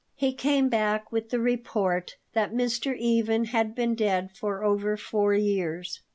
He came back with the report that Mr. Even had been dead for over four years.